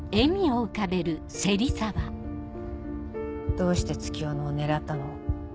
どうして月夜野を狙ったの？